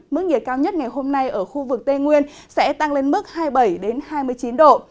mức nhiệt cao nhất ngày hôm nay ở khu vực tây nguyên sẽ tăng lên mức hai mươi bảy hai mươi chín độ